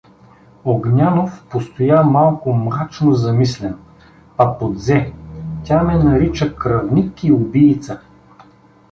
Огнянов постоя малко мрачно замислен, па подзе: — Тя ме нарича кръвник и убийца.